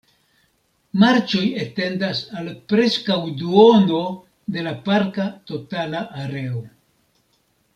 Marĉoj etendas al preskaŭ duono de la parka totala areo.